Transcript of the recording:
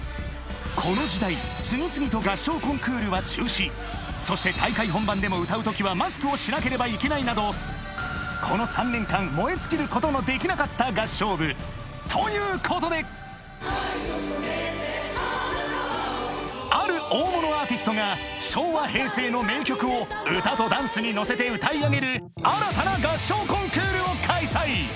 この時代次々とそして大会本番でも歌う時はマスクをしなければいけないなどこの３年間燃え尽きることのできなかった合唱部ということで愛をこめて花束をある大物アーティストが昭和平成の名曲を歌とダンスに乗せて歌い上げる新たな合唱コンクールを開催